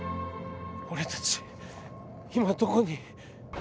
俺たち今どこに？